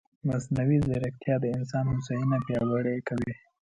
مصنوعي ځیرکتیا د انسان هوساینه پیاوړې کوي.